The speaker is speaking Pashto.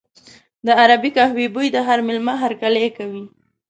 د عربي قهوې بوی د هر مېلمه هرکلی کوي.